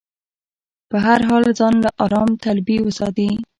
په هر حال کې ځان له ارام طلبي وساتي.